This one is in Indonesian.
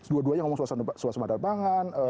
dua duanya ngomong suasana pangan